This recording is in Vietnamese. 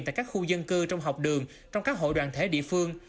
tại các khu dân cư trong học đường trong các hội đoàn thể địa phương